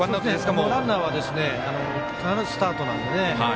ランナーは必ずスタートなんでね。